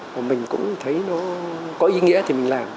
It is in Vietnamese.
và mình cũng thấy nó có ý nghĩa thì mình làm